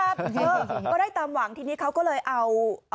เยอะก็ได้ตามหวังทีนี้เขาก็เลยเอา